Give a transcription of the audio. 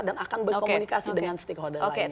dan akan berkomunikasi dengan stakeholder lainnya